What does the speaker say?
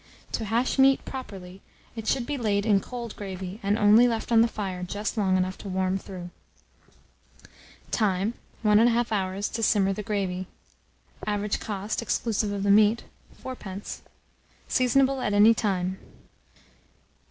To hash meat properly, it should be laid in cold gravy, and only left on the fire just long enough to warm through. Time. 1 1/2 hour to simmer the gravy. Average cost, exclusive of the meat, 4d. Seasonable at any time.